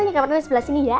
sini kameranya sebelah sini ya